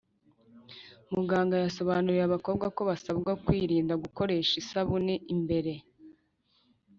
Muganga yasobanuriye abakobwa ko basabwa kwirinda gukoresha isabuni imbere